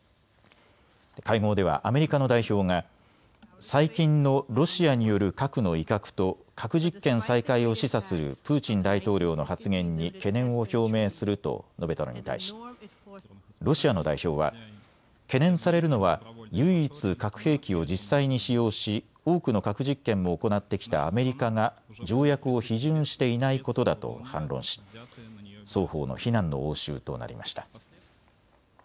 会合ではアメリカの代表が最近のロシアによる核の威嚇と核実験再開を示唆するプーチン大統領の発言に懸念を表明すると述べたのに対しロシアの代表は懸念されるのは唯一、核兵器を実際に使用し多くの核実験も行ってきたアメリカが条約を批准していないことだと反論し双方の非難の応酬となりました。